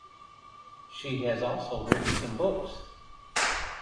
She has also written some books.